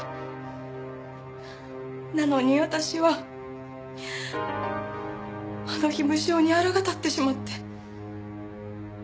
なのに私はあの日無性に腹が立ってしまって。